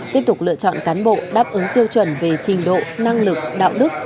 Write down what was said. tiếp tục lựa chọn cán bộ đáp ứng tiêu chuẩn về trình độ năng lực đạo đức